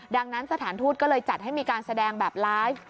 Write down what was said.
ดังนั้นสถานทูตก็เลยจัดให้มีการแสดงแบบไลฟ์